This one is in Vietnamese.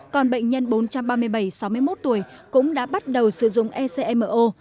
còn bệnh nhân bốn trăm ba mươi bảy sáu mươi một tuổi cũng đã bắt đầu sử dụng ecmo